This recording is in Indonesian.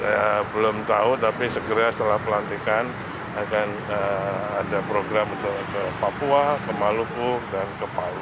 saya belum tahu tapi segera setelah pelantikan akan ada program untuk ke papua ke maluku dan ke palu